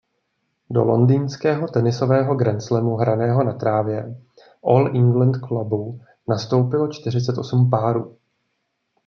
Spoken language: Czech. Do londýnského tenisového grandslamu hraného na trávě All England Clubu nastoupilo čtyřicet osm párů.